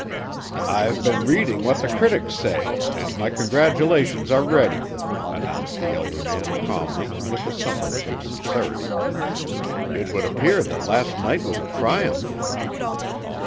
"I've been reading what the critics say, and my congratulations are ready," announced the elder man calmly with a semblance of sincerity. "It would appear that last night was a triumph."